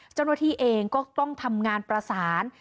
เจ้าหน้าที่เองก็ต้องทำงานประสาน